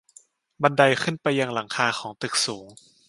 บันไดขึ้นไปยังหลังคาของตึกสูง